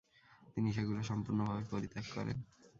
তিনি সেগুলাে সম্পূর্ণভাবে পরিত্যাগ করেন।